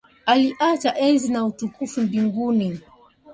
Aliacha enzi na utukufu mbinguni.